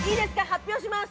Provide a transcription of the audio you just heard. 発表します。